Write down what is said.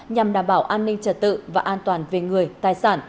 nhằm đảm bảo an ninh trật tự và an toàn nhất